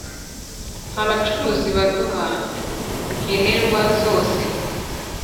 N’abacuruzi baduha nkenerwa zose